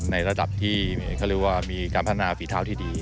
ในระดับที่เขาเรียกว่ามีการพัฒนาฝีเท้าที่ดี